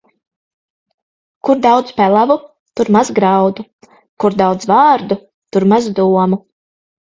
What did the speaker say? Kur daudz pelavu, tur maz graudu; kur daudz vārdu, tur maz domu.